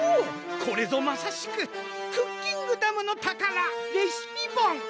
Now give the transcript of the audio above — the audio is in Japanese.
これぞまさしくクッキングダムの宝・レシピボン！